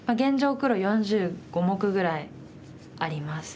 黒４５目ぐらいあります。